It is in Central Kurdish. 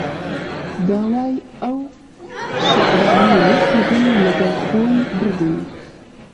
داوای ئەو شیعرانەی لێ کردم، لەگەڵ خۆی بردن